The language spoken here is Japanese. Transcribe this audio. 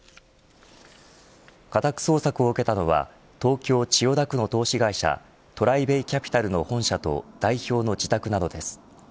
家宅捜索を受けたのは東京、千代田区の投資会社トライベイキャピタルの本社と代表の自宅などです。